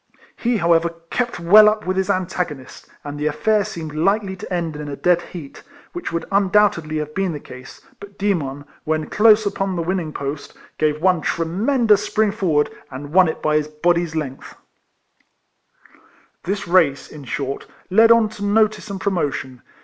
He however kept well up with his antagonist, and the affair seemed likely to end in a dead heat, which would undoubtedly have been the case, but Demon, when close upon the win ning post, gave one tremendous spring forward, and won it by his body's length. This race, in short, led on to notice and promotion.